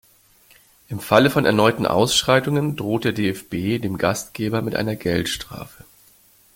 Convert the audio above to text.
Im Falle von erneuten Ausschreitungen droht der DFB dem Gastgeber mit einer Geldstrafe.